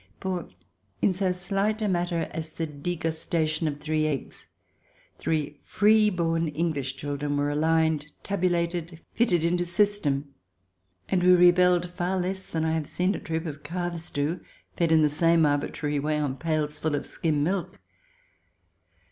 For in so slight a matter as the degustation of three eggs, three free born English children were aligned, tabulated, fitted into system, and we re belled far less than I have seen a troop of calves do, fed in the same arbitrary way, on pailsful of skim milk.